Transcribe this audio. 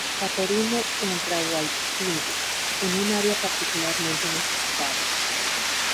Catherine, en Rawalpindi, en un área particularmente necesitada.